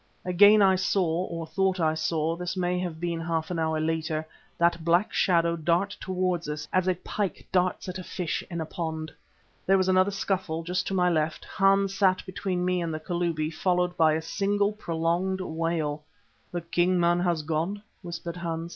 Again I saw, or thought I saw this may have been half an hour later that black shadow dart towards us, as a pike darts at a fish in a pond. There was another scuffle, just to my left Hans sat between me and the Kalubi followed by a single prolonged wail. "The king man has gone," whispered Hans.